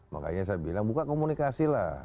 makanya saya bilang buka komunikasi lah